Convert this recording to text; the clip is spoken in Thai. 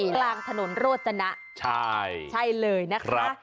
กลางถนนโรจนะใช่เลยนะคะ